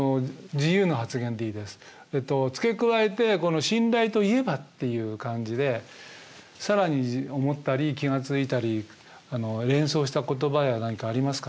付け加えて「信頼といえば」っていう感じで更に思ったり気が付いたり連想した言葉や何かありますか？